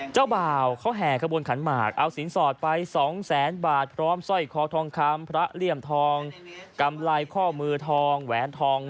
เจ้าบ่าวเขาแห่ขบวนขันหมากเอาสินสอดไป๒แสนบาทพร้อมสร้อยคอทองคำพระเลี่ยมทองกำไรข้อมือทองแหวนทอง